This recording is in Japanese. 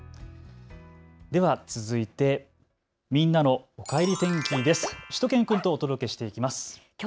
では続いてみんなのおかえり天気です。